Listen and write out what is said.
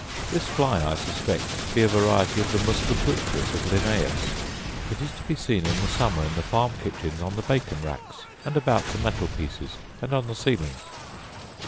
This fly I suspect to be a variety of the musca putris of Linnaeus: it is to be seen in the summer in the farm kitchens on the bacon racks and about the mantelpieces, and on the ceilings.